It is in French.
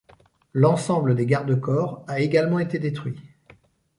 L'ensemble des garde-corps a également été détruit.